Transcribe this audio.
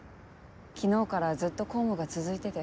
昨日からずっと公務が続いてて。